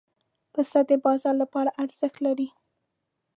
پسه د بازار لپاره ارزښت لري.